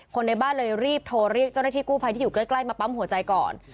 ในบ้านเลยรีบโทรเรียกเจ้าหน้าที่กู้ภัยที่อยู่ใกล้มาปั๊มหัวใจก่อน